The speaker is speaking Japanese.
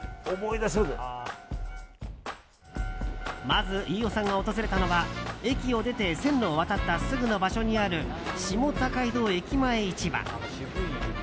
まず飯尾さんが訪れたのは駅を出て線路を渡ったすぐの場所にある下高井戸駅前市場。